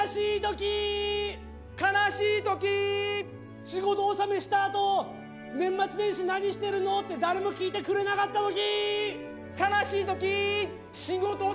悲しいとき、仕事納めしたあと、年末年始、何してるのって、誰も聞いてくれなかったとき。